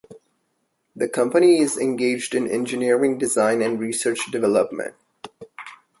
The company is engaged in engineering design and research and development.